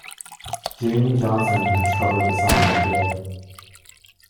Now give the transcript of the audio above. Jamey Johnson has covered the song on tour.